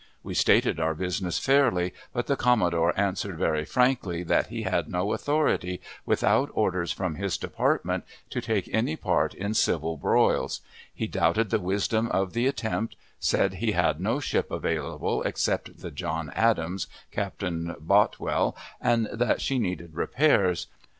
We stated our business fairly, but the commodore answered very frankly that he had no authority, without orders from his department, to take any part in civil broils; he doubted the wisdom of the attempt; said he had no ship available except the John Adams, Captain Boutwell, and that she needed repairs.